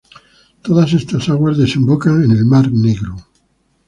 Todas estas aguas desembocan en el Mar Negro.